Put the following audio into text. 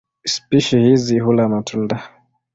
Spishi hizi hula matunda.